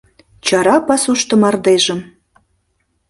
Чара пасушто мардежым».